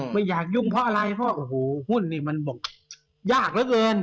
ไม่อยากยุ่งเพราะอะไรเพราะโอ้โหหุ้นนี่มันบอกยากเหลือเกิน